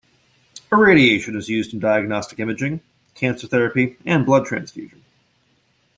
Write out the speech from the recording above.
Irradiation is used in diagnostic imaging, cancer therapy and blood transfusion.